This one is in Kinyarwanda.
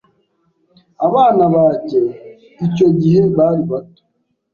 abana bajye icyo gihe bari bato